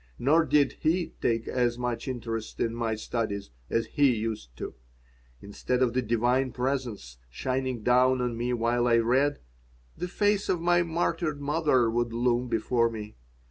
Nor did He take as much interest in my studies as He used to. Instead of the Divine Presence shining down on me while I read, the face of my martyred mother would loom before me.